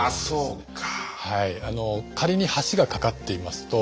そうか。